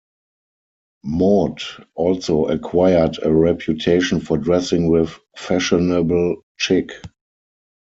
Maud also acquired a reputation for dressing with fashionable chic.